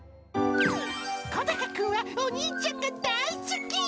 コダカくんはお兄ちゃんが大好き。